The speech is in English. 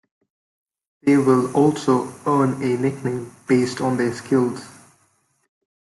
They will also earn a nickname based on their skills.